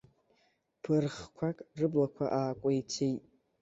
Ԥырӷқәак рыблақәа аакәеицеит.